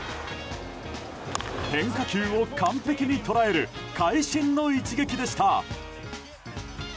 変化球を完璧に捉える会心の一撃でした。